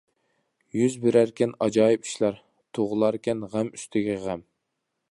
يۈز بېرەركەن ئاجايىپ ئىشلار، تۇغۇلاركەن غەم ئۈستىگە غەم.